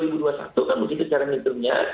kalau kita cari minimumnya